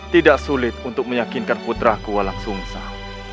tidak sulit untuk meyakinkan putraku walauk sungsah